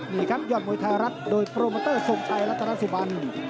นี่ครับยอดมวยไทยรัฐโดยโปรโมเตอร์ทรงชัยรัตนสุบัน